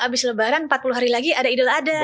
abis lebaran empat puluh hari lagi ada idol ada